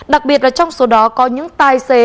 đặc biệt là trong số đó có những tài xế